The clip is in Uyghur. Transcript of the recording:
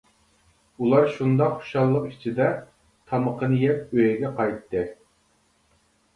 ئۇلار شۇنداق خۇشاللىق ئىچىدە تامىقىنى يەپ ئۆيگە قايتتى.